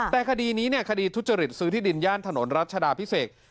แต่คดีนี้คดีทุจริตซื้อที่ดินย่านถนนรัชดาพิเศษ